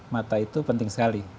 mata itu penting sekali